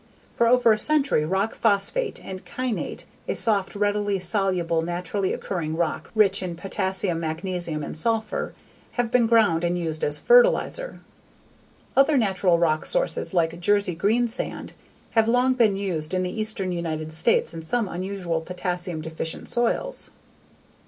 For over a century, rock phosphate and kainite a soft, readily soluble naturally occurring rock rich in potassium, magnesium and sulfur have been ground and used as fertilizer. Other natural rock sources like Jersey greensand have long been used in the eastern United States on some unusual potassium deficient soils.